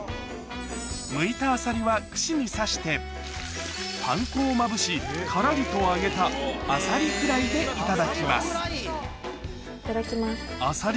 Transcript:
むいたあさりはパン粉をまぶしカラリと揚げたあさりフライでいただきますいただきます。